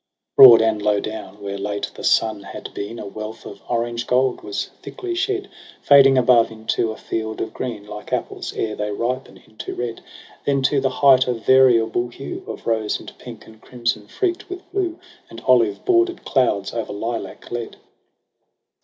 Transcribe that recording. Broad and low down, where late the sun had been, A wealth of orange gold was thickly shed. Fading above into a field of green. Like apples ere they ripen into red j Then to the height a variable hue Of rose and pink and crimson freak'd with blue, And olive border'd clouds o'er lilac led.